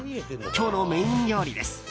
今日のメイン料理です。